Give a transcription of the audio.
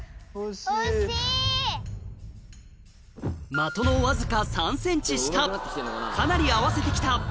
的のわずか３ｃｍ下かなり合わせてきた・